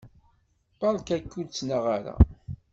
Beṛka-k ur ttnaɣ ara.